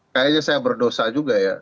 kayaknya saya berdosa juga ya